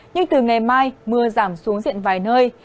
nhưng từ ngày mai mưa giảm xuống diện vài nơi